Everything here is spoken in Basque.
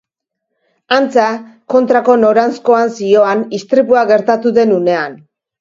Antza, kontrako noranzkoan zihoan istripua gertatu den unean.